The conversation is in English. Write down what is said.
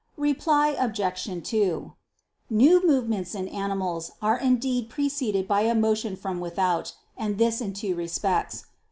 Reply Obj. 2: New movements in animals are indeed preceded by a motion from without; and this in two respects.